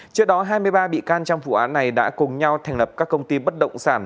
trước đó hai mươi ba bị can trong vụ án này đã cùng nhau thành lập các công ty bất động sản